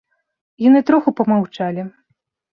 Яны троху памаўчалі.